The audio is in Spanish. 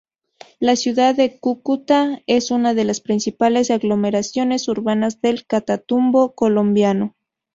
La ciudad de Cúcuta es una de las principales aglomeraciones urbanas del Catatumbo colombiano.